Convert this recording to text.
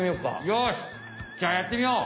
よしじゃあやってみよう！